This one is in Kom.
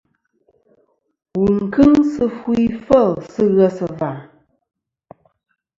Wù n-kɨŋ sɨ fu ifêl sɨ ghesɨ̀và.